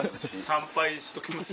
参拝しときます？